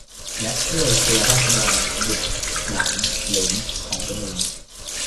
และช่วยตัวราษฎร บุตร หลาน เหลน ของตนเอง